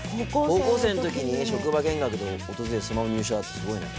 高校生の時に職場見学で訪れそのまま入社ってすごいな。